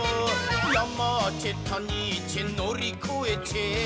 「ヤマーチェたにーちぇのりこえちぇ」